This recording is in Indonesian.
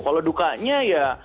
kalau dukanya ya